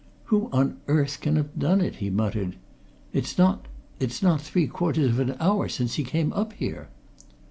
"Who on earth can have done it?" he muttered. "It's it's not three quarters of an hour since he came up here!"